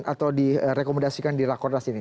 atau direkomendasikan di rakornas ini